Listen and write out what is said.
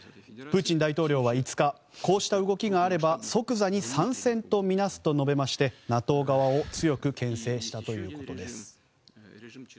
プーチン大統領は５日こうした動きがあれば即座に参戦とみなすと述べましてＮＡＴＯ側を強く牽制したということです。